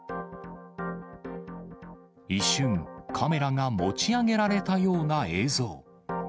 一瞬、カメラが持ち上げられたような映像。